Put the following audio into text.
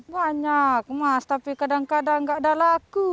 banyak mas tapi kadang kadang gak ada laku